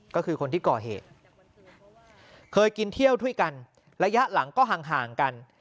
ก็คือคนที่ก่อเหตุเคยกินเที่ยวด้วยกันระยะหลังก็ห่างกัน